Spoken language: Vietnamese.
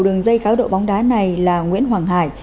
đường dây cá độ bóng đá này là nguyễn hoàng hải